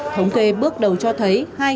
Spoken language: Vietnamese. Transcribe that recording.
thống kê bước đầu cho thấy